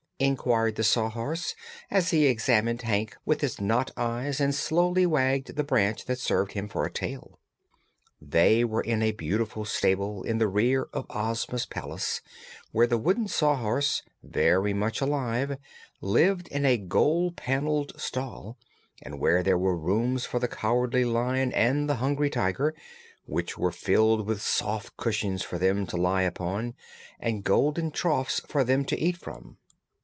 inquired the Sawhorse, as he examined Hank with his knot eyes and slowly wagged the branch that served him for a tail. They were in a beautiful stable in the rear of Ozma's palace, where the wooden Sawhorse very much alive lived in a gold paneled stall, and where there were rooms for the Cowardly Lion and the Hungry Tiger, which were filled with soft cushions for them to lie upon and golden troughs for them to eat from.